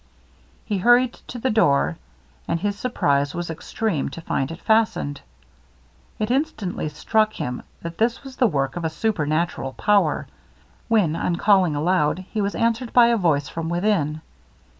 He hurried to the door; and his surprize was extreme to find it fastened. It instantly struck him that this was the work of a supernatural power, when on calling aloud, he was answered by a voice from within.